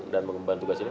dan mengembangkan tugas ini